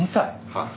はい。